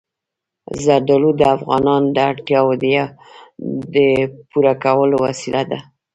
زردالو د افغانانو د اړتیاوو د پوره کولو وسیله ده.